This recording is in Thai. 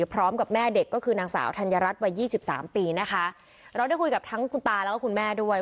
พร้อมกับแม่เด็กก็คือนางสาวธัญรัฐวัยยี่สิบสามปีนะคะเราได้คุยกับทั้งคุณตาแล้วก็คุณแม่ด้วย